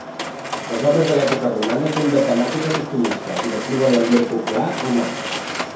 Les obres de l'època romana són de temàtica costumista i descriuen l'ambient popular romà.